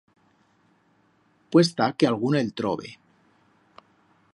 Puet-estar que algún el trobe.